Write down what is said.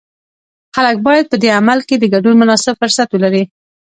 خلک باید په دې عمل کې د ګډون مناسب فرصت ولري.